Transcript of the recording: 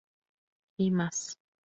Y más.